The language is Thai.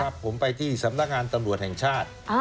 ผมไปที่สำนักงานตำรวจแห่งชาติ